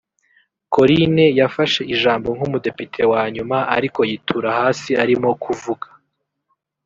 Corinne yafashe ijambo nk’umudepite wa nyuma ariko yitura hasi arimo kuvuga